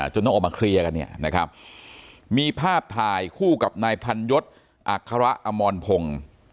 ต้องออกมาเคลียร์กันเนี่ยนะครับมีภาพถ่ายคู่กับนายพันยศอัคระอมรพงศ์